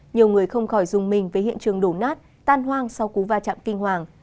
nhiều người không khỏi dùng mình với hiện trường đổ nát tan hoang sau cú va chạm kinh hoàng